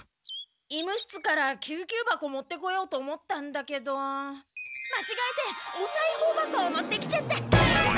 医務室から救急箱持ってこようと思ったんだけどまちがえておさいほう箱を持ってきちゃった。